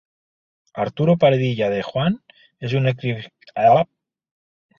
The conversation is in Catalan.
Arturo Padilla De Juan és un escriptor de literatura juvenil nascut a Montornès del Vallès.